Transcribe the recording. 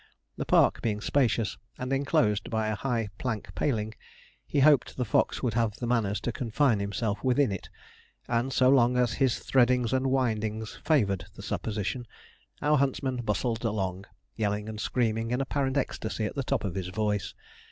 The park being spacious, and enclosed by a high plank paling, he hoped the fox would have the manners to confine himself within it; and so long as his threadings and windings favoured the supposition, our huntsman bustled along, yelling and screaming in apparent ecstasy at the top of his voice.